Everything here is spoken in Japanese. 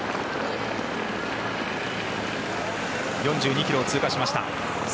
４２ｋｍを通過しました。